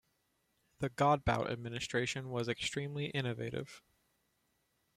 The Godbout administration was extremely innovative.